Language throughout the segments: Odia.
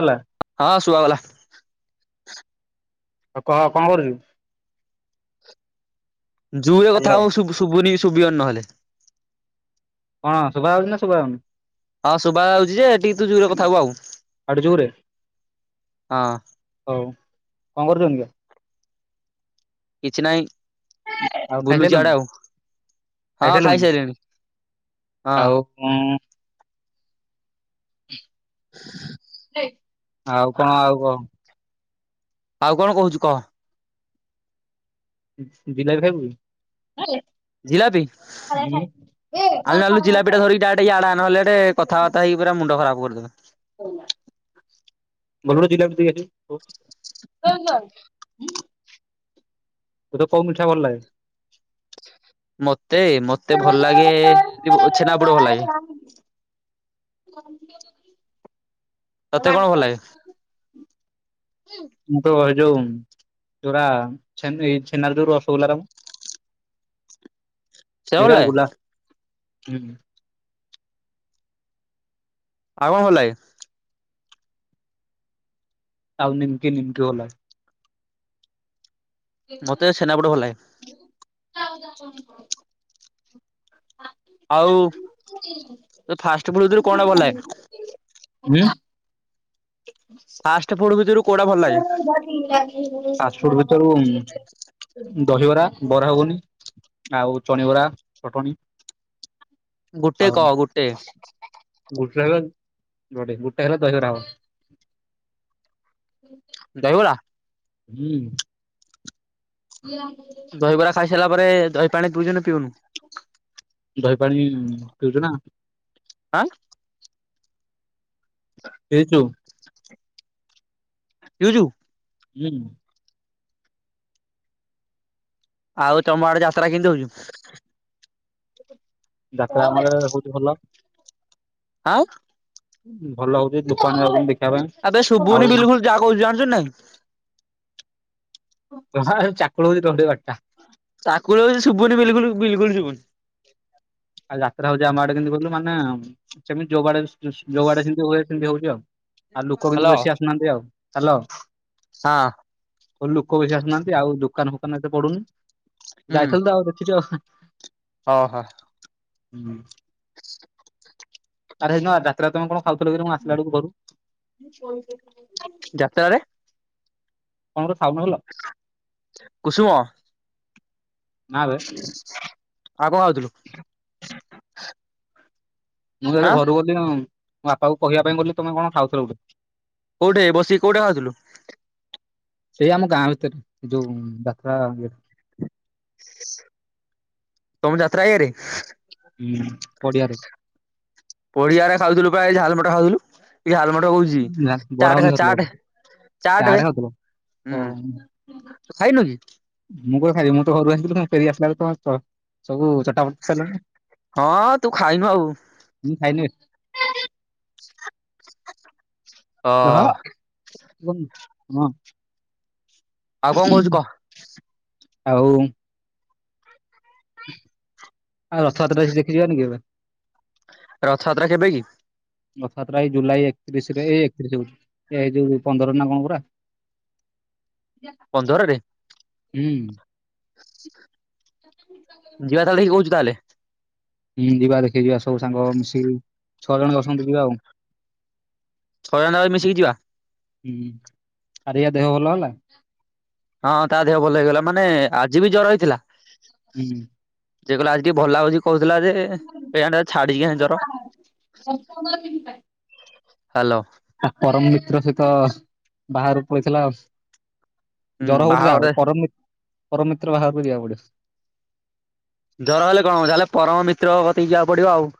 ହେଲା। ହଁ ଶୁଆବାଲା। ତ କ କଣ କରୁଛୁ? ଜୁରେ କଥା ହ୍ୟାଲୋ ଆଉ ଶୁଭ ଶୁଭୁନି ଶୁଭିଅନି ନହେଲେ। କଣ ଶୁଭା ଯାଉଚି ନା ଶୁଭା ହଉନି? ହଁ ଶୁଭା ଯାଉଚି ଯେ ଟିକେ ତୁ ଜୋରେ କଥା ହବୁ ଆଉ। ଆଉଠି ଜୋରେ ହଁ। ହଉ। କଣ କରୁଚୁ ଏମିତିଆ? କିଛି ନାହିଁ ଆଉ ବୁଲୁଚି ଖାଇସାରିଲୁଣି ଆଡେ ଆଉ। ହଁ ଖାଇସାରିଲୁଣି ଖାଇସାରିଲଣି ହଁ। ଆଉ କଂ ହଁ [unintelligible] [inaudible] ଆଉ କଣ ଆଉ କହ? ଆଉ କଣ କହୁଚୁ କହ। ସି ଜିଲାପି ଖାଇବୁ? ଜିଲାପି? ଆନଲୁ ଆନଲୁ ଜିଲାପି ଟା ଧରିକି ଡାଇରେକ୍ଟ ଇଆଡେ ଆ ନହେଲେ ଟେ କଥାବାର୍ତା ହେଇ ପୁରା ମୁଣ୍ଡ ଖରାପ କରିଦେଲା। [inaudible] ଜିଲାପି ଦିଏ ଜି ତୋତେ କୋଉ ମିଠା ଭଲ ଲାଗେ? ମତେ ମୋ ତେ ଭଲ ଲାଗେ ଇବ ଛେନା ପଡୋ ଭଲ ଲାଗେ। ତତେ କଣ ଭଲ ଲାଗେ? ମୁ ତ ଏ ଯୋଉ ଯୋରା ଛେ ଏ ଛେନାର ଯୋଉ ରସଗୋଲା ର [unintelligible] ଭଲ ମେରା ଲାଗେ ଗୁଲା ହୁଁ। ଆଉ କଣ ଭଲ ଲାଗେ? ଆଉ ନିମକି ନିମକି ଭଲ ଲାଗେ। ମତେ ଛେନାପୋଡ ଭଲ ଲାଗେ। [inaudible] ଆଉ ତୋତେ ଫାଷ୍ଟ ଫୁଡରୁ କଣଟା ଭଲ ଲାଗେ? ହୁଁ? ପାଷ୍ଟ୍ ଫୁଡ୍ ଭିତରୁ କୋଉଟା ଭଲ ଲାଗେ ଫାଷ୍ଟଫୁଡ ଭିତରୁ ଦହିବରା ବରା ଗୁଗନି ଆଉ ଚଣିବରା ଚଟଣି। ଗୋଟେ ଆଉ କହ ଗୋଟେ। ଗୁଟେ ହେଲେ ଜଡେ ଗୁଟେ ହେଲା ଦହିବରା ଭ ଦହିବରା? ହୁଁ। [inaudible] ଦହିବରା ଖାଇସାରିଲା ପରେ ଦହି ପାଣି ପିଉଚୁ ନା ପିଉନୁ? ଦହି ପାଣି ପିଉଚି ନା। ଆଁ? ପିଇଚୁ? ପିଉଚୁ? ହୁଁ। ଆଉ ତମ ଆଡ଼େ ଯାତ୍ରା କେମିତି ହଉଚି? ଯାତ୍ରା ଆମର ହଉଛି ଭଲ। ଆଁ ଭଲ ହଉଛି ଦୋକାନୀ ଯାଉ [unintelligible] ଦେଖିବା ଆବେ ପାଇଁ ଶୁଭୁନି ଆଉ ବିଲକୁଲ ଯାହା କହୁଛି ଜାଣିଛୁ ନାଇଁ ଜମା ହେ ଚାକୁଳ ହଉଛି ତଣ୍ଟିର [unintelligible] ଟା ଚାକୁଳ ଶୁଭୁନି ବିଲକୁଲୁ ବିଲକୁଲ୍ ଶୁଭନି। ଆଉ ଯାତ୍ରା ହଉଛି ଆମ ଆଡେ କେମିତି କଲୁ ମାନେ ସେମିତି ଯୋଉ ଆଡେ ଯୋ ଆଡେ ଯେମିତି ହୁଏ ସେମିତି ହଉଛି ଆଉ। ଆଉ ଲୁକ କିନ୍ତୁ ବେଶି ଆସୁନାହାନ୍ତି ଆଉ ହାଲୋ। ହଁ। ଉ ଲୁକ ବେଶୀ ଆସୁନାହାନ୍ତି ଆଉ ଦୋକାନ ଫୋକାନ ଏତେ ପଡ଼ୁନି। ଯାଇଥିଲୁ ତ ଆଉ ଦେଖିଛୁ। ଓ ହୋ। ହୁଁ। [inaudible] ଆରେ ହେ ଦିନ ଯାତ୍ରାରେ ତମେ କଣ ଖାଉଥିଲ କିରେ ମୁଁ ଆସିଲା ବେଳକୁ ଘରୁ? ଯାତ୍ରାରେ କଣ ଗୋଟେ ଖାଉନଥିଲ? କୁସୁମ ନା ବେ। ଆଉ କଣ ଖାଉଥୁଲୁ? ମୁଁ ଯେତେବେଳେ ଆଁ ଘରୁ ଗଲି ଆଉ। ମୋ ବାପାକୁ କହିବା ପାଇଁ ଗଲି ତମେ କଣ ଖାଉଥିଲ ଗୋଟେ। କୋଉଠେ ବସିକି କୋଉଠେ ଖାଉଥିଲୁ? ସେଇ ଆମ ଗାଁ ଭିତରେ ଏ ଯୋଉ ଯାତ୍ରା ଇଏ ତମ ଯାତ୍ରା ଆୟାରେ? ହୁଁ ପଡି଼ଆରେ। ପଡି଼ଆରେ ଖାଉଥିଲୁ ପ୍ରାୟ ଝାଲମଟ ଖାଉଥିଲୁ ଏ ଝାଲମଟ କହୁଛି ନା ବରା ଚାଟ୍ ଘୁଗୁନି ଖା ଖାଉଥିଲ ଚାଟ୍ ବୋଧେ ଚାଟ ବେ ଓ ହୁଁ ତୁ ଖାଇନୁ କି? ମୁଁ କ ଖାଇଲିି ମୁଁ ତ ଘରୁ ଆସିଥିଲି ମୁଁ ଫେରି ଆସିଲା [unintelligible] ତ ସବୁ ଚଟାପ ହଁ ତୁ ଖାଇନୁ ଆଉ। ମୁଁ ଖାଇନି ବେ। ଅ ରହ [unintelligible] ହଁ। ଆଉ କଣ କହୁଛୁ [unintelligible] କହ ଆଉ ଆଉ ରଥଯାତ୍ରା କିଛି ଦେଖି ଯିବାନି କି ଏବେ? ରଥଯାତ୍ରା କେବେ କି? ରଥଯାତ୍ରା ଏଇ ଜୁଲାଇ ଏକତିରିଶରେ ଏଇ ଏକତିରିଶ କ ଏ ଯୋଉ ପନ୍ଦର ନା କଣ ପରା [unintelligible] ପନ୍ଦରରେ ହୁଁ। ଯିବା ତାହେଲେ ଦେଖିକି କହୁଛୁ ତାହେଲେ? ହୁଁ ଯିବା ଦେଖି ଯିବା ସବୁ ସାଙ୍ଗ ମିଶିକି ଛଅ ଜଣ ଅଛନ୍ତି ଯିବା ଆଉ। ଛ ଜଣ ଯାକ ମିଶିକି ଯିବା? ହୁଁ ଆରେ ୟା ଦେହ ଭଲ ହେଲା? ହଁ ତା ଦେହ ଭଲ ହେଇଗଲା ମାନେ ଆଜି ବି ଜର ହେଇଥିଲା। ହୁଁ। ଯେ କହିଲା ଆଜି ଟିକେ ଭଲ ଲାଗୁଚି କହୁଥିଲା ଯେ ପ୍ୟାଣ୍ଟ୍ ଛାଡିକି କାହିଁ ଜର ହାଲୋ। ତା ପରମ ମିତ୍ର ସହିତ ବାହାରୁ ପଳେଇଥିଲା ଆଉ। ହୁଁ ଜର ହଉଛି ଯାହା ହଉ ବାହାଘରରେ ପରମ୍ ମିତ୍ ପରମିତ୍ର ବାହାରକୁ ଯିବାକୁ ପଡିବ। ଜର ହେଲେ କଣ୍ ଅ ଯାହେଲେ ପରମ ମିତ୍ରକ କତିକି ଯିବାକୁ ପଡିବ ଆଉ।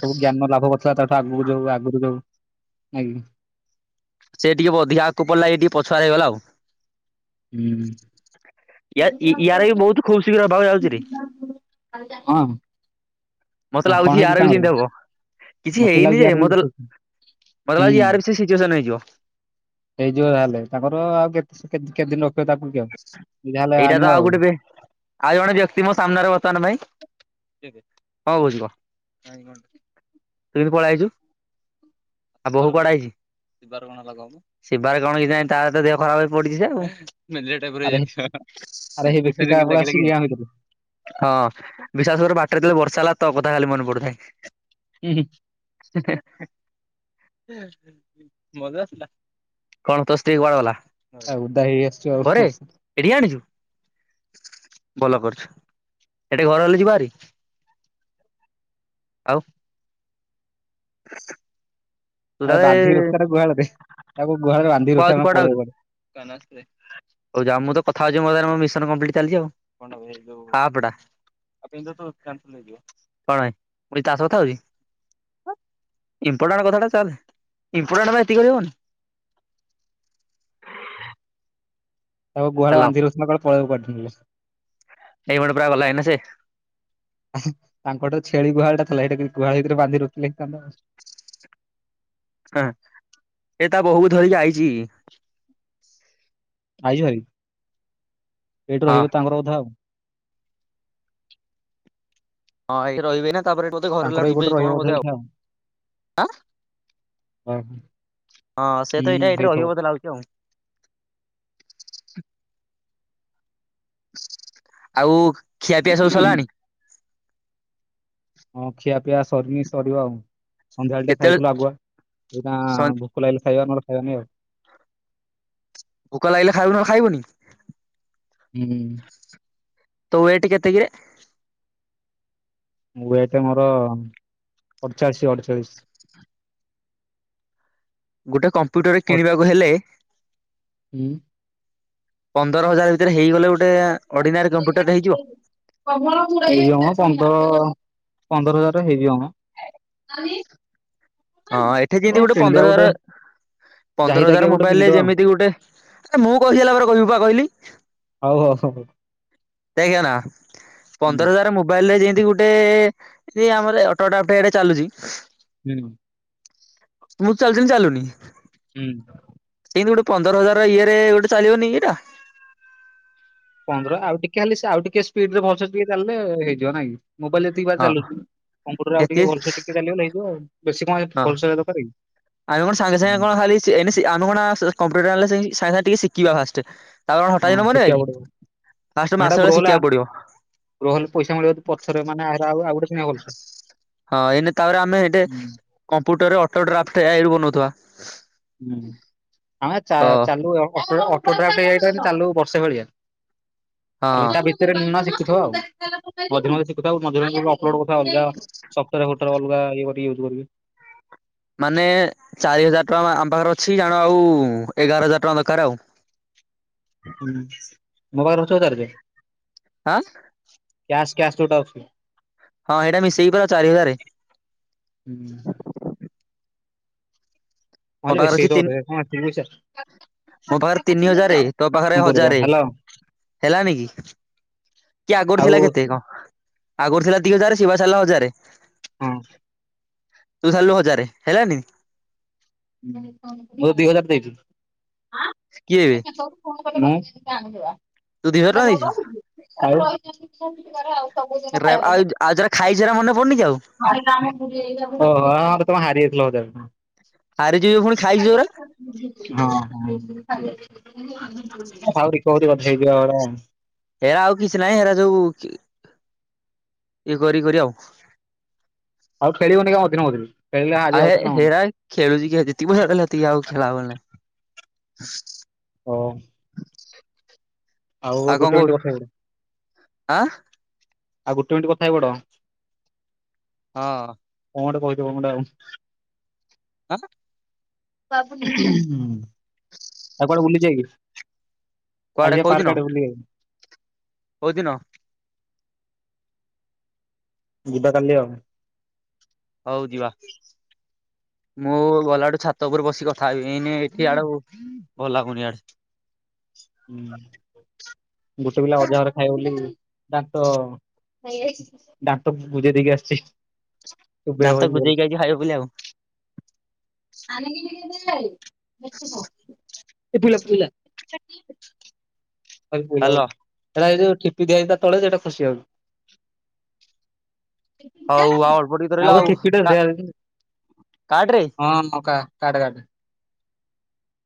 ସବୁ ଜ୍ଞାନ ଲାଭ କରିଥିଲା ତାଠୁ ଆଗକୁ ଯାଉ ଆଗରୁ ଯାଉ ନାଇଁ କି? ସେ ଟିକିଏ ଅଧିକାଆକୁ ପଳେଇଲା ଇଏଟି କିଏ ପଛୁଆ ହେଇଗଲା ଆଉ। ହୁଁ। ୟା ଇ ୟାର ବି ବହୁତ ଖୁସିର ହବାକୁ ଯାଉଛିିରେ। ହାଲ୍ ଚାଲ୍ କଣ? ମତେ ଲାଗୁଚି ହେଇଛି ଆର ବି ସେମିତି ତାଙ୍କର ହବ କିଛି ମତେ ହେଇନି ଲାଗୁଛି ଯେ ଆର ମତେ ହୁଁ ମତେ ଲାଗୁଚି ଆାର ବି ସେ ସିଚୁଏସନ୍ ହେଇଯିବ। ହେଇଯିବ ଜାହେଲେ ତାଙ୍କର ଆଉ କେତେ କେତେଦିନି ରଖିବେ ତାକୁ। କି ଆଉ ଯାହାହେଲେ ଏଇଟା ଆଣିବ ତ ଆଉ ଗୋଟେଏ ବି ଆଉ ଜଣେ ବ୍ୟକ୍ତି ମୋ ସାମ୍ନାରେ ବର୍ତ୍ତମାନ ପାଇଁ କଣ କୋହୁଚୁକହ? ସିଏବି ପଳେଇଆଇଚୁଦ ତା ବୋହୂ କୁଆଡେ ଆଇଚି? ଶିବାରେ କଣ ହେଇଚି କେଇଣି ତାରତ ଦେହ ଖରାପ ରେ ପଡିଚି ସେ। ତା ପରେ ଆରେ ମିଠାଟା ଆରେ ହେଇ ବେକି ଟା କେନ୍ତି ପଳେଇ ଲାଗିଲା କି? ଆସିଛି ଗାଁ ଭିତରୁ ହଁ ବିଶାସକର ବାଟରେ ଯେତେଳେ ବର୍ଷା ହେଲା ତୋ କଥା ଖାଲି ମନେ ପଡୁଥାଏ। ହୁଁ ହୁଁ। ହେଁ ହେଁ ହେଁ। ମଜା ଆସିଲା କଣ୍ ତୋ ସ୍ତ୍ରୀ କୁଆଡ ଗଲା? ଓଦା ହେଇ ଆସିଚୁ ଆଉ ହୁଁ। ଏଠିକି୍ ଆଣିଚୁ। ଭଲ କରିଛୁ ଏଠେ ଘର ହେଲେ ଯିବାହାରି? ଆଉ। [inaudible] ଆରେ ତାହେଲେ ବାନ୍ଧି ରଖିଥାରେ ଗୁହାଳରେ ତାକୁ ଗୁହାଳରେ ବାନ୍ଧି ରଖିଥା କୁଆଉଛୁ ନନେ କୁଆଡେ ଆଉଛୁ? ପଳେଇବ। ହଉ ଯାଉ ମୁଁ ତ କଥା ହଉଚି ମୋ ଦ୍ୱାରା ମୋ ମିଶନ କମ୍ପିଲ୍ଟ ଚାଲିଚି। ପା ପୋଡା। ହଁ ମୁଁ ତାସହିତ ହେବି? ଇମ୍ପୋର୍ଟାଣ୍ଟ କଥାଟା ଚାଲେ ଇମ୍ପଟାଣ୍ଟ ପାଇଁ ଏତିକି କରି ହବନି? ତା କୁ ଗୁହାଳେ ହ୍ୟାଲୋ ବାନ୍ଧିରଖୁଚ ନା ପଳେଇବ କୁଆଢେ? ଏଇପଟେ ପୁରା ଗଲା ଏଇନା ସେ ତାଙ୍କଟ ଛେଳି ଗୁହାଳି ଟା ଥିଲା ଏଇଟା ଗୁହାଳ ହେଇ କି ବାନ୍ଧି ରଖିଥିଲା କାମଦବ? ହଁ ସେତାଵେହୁ କୁଧରିକି ଆଇଚି। ଆଉଚି ଭାଇ ଏଇଠି ହଁ ରହିବ ତାଙ୍କର ଅଧା। ହଁ ଏଇ ଠିରହିବେ ନା ତାପରେ ବୋଧେ ଘରକୁ ତାଙ୍କର ଯିବେ ଏଇପଟେ ରହିବ କଣ୍ ବୋଧେ ଏଇଠି ଆଉଆଁ? ଆଉ ହଁ ସେ ହୁଁ ତ ଏଇଟା ଏଇଠି ରହିବ ହେଇଥିବ ବୋଧେ ଲାଗୁଛି ଆଉ। ଆଉ ଖିଆ ପିଆ ସବୁ ସରିଲାଣି? ହଁ ହଁ ଖିଆ ପିଆ ସରିନି ସରିବ ଆଉ ସନ୍ଧ୍ୟାବେଳେ ଟିକିଏ ଖାଇଥିଲୁ କେତେବେଳେ ଆଗୁଆ ଏଇଟାବୋ କାଲି ଖାଇବା ଆମେହେରା ଖାଇନିଉ? ଭୋକ ଲାଗିଲେ ଖାଇବେ ନହନେ ଖାଇବନି? ହୁଁ। ତୋ ୱେଟ୍ କେତେ କିରେ? ୱେଟ ମୋର ଅଚାଳିଶି ଅଚାଳିଶି। ଗୋଟେ କମ୍ପ୍ୟୁଟ୍ୟ ର କିଣିବାକୁ ହେଲେ ଉଁ। ପନ୍ଦର ହଜାର ଭିତରେ ହେଇଗଲେ ଗୋଟେ ଅର୍ଡିନାରୀ କମ୍ପ୍ୟୁଟ୍ୟ ର ଟେ ହେଇଯିବ? ହେଇ ଯିବ ମ ପନ୍ଦର ପନ୍ଦର ହଜାର ଟଙ୍କା ହେଇଯିବ ମ। ହଁ ଏଠି କିନ୍ତୁ ହଉ ଗୋଟେ କିଣିଦବା ପନ୍ଦର ହଜାରେ ଯାହି ପନ୍ଦର ତାକିଆ ହଜାର ଗୋଟେ ମୋବାଇଲିରେ କିଣିଦବା ଯେମିତି ଗୋଟେ ମୁଁ କହି ସାରିଲା ପରେ କହିବୁ ପା କହିଲି। ହଉ ଆସକୁ ହୁଁ [unintelligible] ମୋବାଇଲ ରେ ଯେମତି ଗୋଟେ ଆମର ଅଟୋଟାଟ ଏଇଟା ଚାଲୁଛି ହୁଁ। ମୁଁ ଚାରିଦିନ୍ ଚାଲୁନି। ହୁଁ। ସିଏବି ଗୋଟେ ପନ୍ଦର ହଜାର ଇଏରେ ଗୋଟେ ଚାଲିବନି ଏଇଟା? ପନ୍ଦର ଆଉ ଟିକେ ହେଲେ ସେ ଆଉ ଟିକେ ସ୍ପିଡରେ ଭଲସେ ଟିକେ ଚାଲିଲେ ହେଇଯିବ ନାଇଁ ମୋବାଇଲ ଏତିକି ବା ହଁ ଚାଲୁଚି କପୁଟର ଆଉ ହେତି ଟିକେ ଭଲସେ ଟିକେଚାଲି ଗଲେ ହେଇ ଯିବ ଆଉ ବେଶୀ କଣ ହଁ ଭଲସେ ହେରା ଦରକାର କି ଆମେ କଣ ସାଙ୍ଗେ ସାଙ୍ଗେ କଣ ଖାଲି ଆମେ ସି ଏଇନେ ଆମେ କଣ ସେ କମ୍ପ୍ୟୁଟର ଆଣିଲେ ସେଇ ସାଙ୍ଗେ ସାଙ୍ଗେ ଟିକେ ଶିଖିବା ଫାଷ୍ଟ। ତା କଣ ହଠାତ୍ ହଁ ଦିନ ମନେ ଆ ଶିଖିବାକୁ କି ପଡିବ ହଁ ଫାଷ୍ଟ ମାସ ବେଳେ ଶିଖିବାକୁ ପଡିବ ରୋହୁନୁ ପଇସା ମିଳିବ ଦି ପଛରେ ନଲେ ଆଉ ଆଉ ଗୋଟେ କିଣିବା ଭଲସେ। ହଁ ଏଇନେ ତାପରେ ଆମେ ଏଠ computer auto draft A I ରୁ ବନଉଥିବା। ହୁଁ ଆମେ ଚା ତ ହଁ। ଚାଲୁ ପକେଇବ ଫଟ୍ରା ହେଇଯାଇ ଚାଲୁ ବର୍ଷେ ଭଳିଆ ତା ଭିତ ରେ ନ ଶିଖିଥିବ ଆଉ ମଝିରେ ମଝିରେ ଶିଖୁଥାଉ ମଝିରେ ମଝିରେ ବି ଅପଲୋଡ କରିଥାଉ ଅଲଗା ସ ଭୋଟର ହୋଟର ଅଲଗା ଇଏ କରିକି ୟୁଜ କରି କି ମାନେ ଚାରି ହଜାର ଟଙ୍କା ଆମ ପାଖରେ ଅଛି ଜାଣ ଆଉ ଏଗାର ହଜାର ଟଙ୍କା ଦରକାର ଆଉ। ହୁଁ ମୋବାଇର ଚଉ ତାରିଖେ ଆ କ୍ୟାସ କ୍ୟାସ ଯୋଉଟା ଅଛି। ହଁ ଏଇଟା ମିଶେଇ ପା ଚାରି ହଜାର। ହୁଁ। ହଁ ମୋ ଯେ ପାଖରେ ସେ ଅଛି ତିନି ଦବ ରେ କଣ ଏତିକି ପଇସା ମୋ ପାଖରେ ତିନି ହଜାରେ ତୋ ପାଖରେ କଣ କରିବା ହଜାରେ ହ୍ୟାଲୋ ହେଲାନ କି? କି ଆଗରୁ ଆଉ ଥିଲା କେତେ କଣ? ଆଗରୁ ଥିଲା ଦି ହଜାର ଶିବା ଛାଡ଼ିଲା ହଜାରେ। ହଁ। ତୁ ଛାଡ଼ିଲୁ ହଜାରେ ହେଲାନି? ହୁଁ ମୁଁ ଦି ହଜାର ଦେଇଚି। କିଏ ଏବେ ତୁ ଦି ହଜାର ଟଙ୍କା କଣ ଦେଇଛୁ ଆଉ [unintelligible] ହେରା ଆଉ ଆଉ ଯଟା ଖାଇଛିା ହେରା ମନେ ପଡୁନି କି ଆଉ ଓହୋ ଆହା ତମେ ହାରି ଯାଇଥିଲ ବୋଧେ? ହାରି ଯିବି ପୁଣି ଖାଇଯିବରା ହଁ ହ ଆହୁରି କହୁଠି ବଧ ହେଇଯିବରା ହେରା ଆଉ କିଛି ନାହିଁ ହେରା ସବୁ ଇଏ କରି କରି ଆଉ ଆଉ ଖେଳିବନି [unintelligible] ଆହେ ଯାଉଥିଲ ନା କଣ ହେରା ଖେଳୁଛି କିଏ ଜିତିିବ [unintelligible] ବାତି ଆଉ ଖେଳାହବ ନାହିଁ ହଁ ଆଉ କଣ କଥା କହୁ, ହେଇପଡ ଆଁ? ଆଉ ଗୋଟେ ମିନିଟ୍ କଥା ହଇ ପଡ। ହଁ। କଣ ଗୋଟେ କହିଥିବ ଗୋଟେ ଆଉ। ହଁ ସା ଆଉ କୁଆଡ଼େ ବୁଲି ଯିବାକି। କୁଆଡେ କାଲି ଯିବା କୋଉଦିନ ପାର୍କ ଆଡେ ବୁଲିକି ଆଇବା। କୋଉଦିନ? ଯିବା କାଲି ଆଉ। ହଉ ଯିବା। ମୁଁ ଗଲା ଆଡୁ ଛାତ ଉପରେ ବସିକି କଥା ହେବି ଏଇନେ ଏଠି ଆଡକୁ ଭଲ ଲାଗୁନି ୟାର। ହୁଁ ଗୋଟେ ପିଲା ଅଜାଘରେ ଖାଇବ ବୋଲି ତାର୍ ତ ଡାକ୍ଟର ବୁଝେଇ ଦେଇକି ଆସିଚି। ଦାନ୍ତ ଗୁଜେଇକକି ଆସିଚି ଖାଇବ ବୋଲି ଆଉ। ଏ ପଇଲା ପଇଲା। ଗଳି ପଡିଲା ହାଲୋ ବୋଧେ। ସେଟା ଏ ଯୋଉ ଠିପି ଦିଆଯଥିଲା ତଳେ ସେଟା ଖୁସି ଯାଉଚ ହଉ ଆଉ ଅଳ୍ପ ଟିକେ ତ ରହିଲା ଆଉ କା କାଟରେ। ହଁ ନକା କାଟେ କାଟେ।